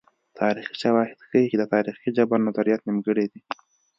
تاریخي شواهد ښيي چې د تاریخي جبر نظریات نیمګړي دي.